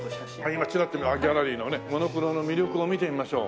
今ちらっとギャラリーのねモノクロの魅力を見てみましょう。